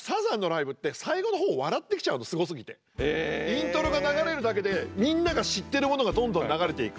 イントロが流れるだけでみんなが知ってるものがどんどん流れていく。